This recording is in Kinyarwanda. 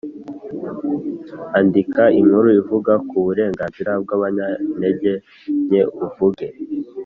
Andika inkuru ivuga ku burenganzira bw abanyantege nke uvuge